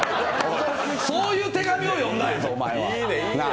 そういう手紙を読んだんや、お前は。